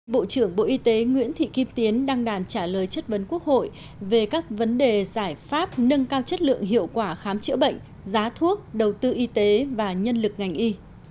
bộ trưởng bộ y tế nguyễn thị kim tiến đăng đàn trả lời chất vấn quốc hội về các vấn đề giải pháp nâng cao chất lượng hiệu quả khám chữa bệnh giá thuốc đầu tư y tế và nhân lực ngành y